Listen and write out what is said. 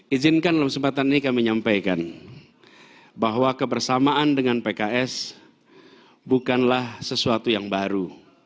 izinkan dalam kesempatan ini kami menyampaikan bahwa kebersamaan dengan pks bukanlah sesuatu yang baru